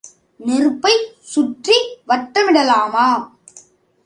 நெருப்பைச் சுற்றி வட்டமிடலாமா?